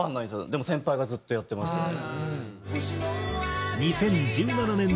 でも先輩がずっとやってましたね。